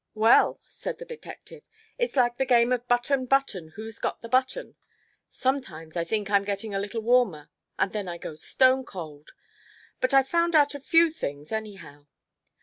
"Well," said the detective, "it's like the game of button, button, who's got the button? Sometimes I think I'm getting a little warmer and then I go stone cold. But I've found out a few things, anyhow.